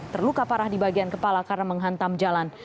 terluka parah di bagian kepala karena menghantam jalan